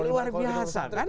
luar biasa kan